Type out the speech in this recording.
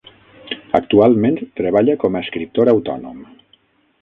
Actualment treballa com a escriptor autònom.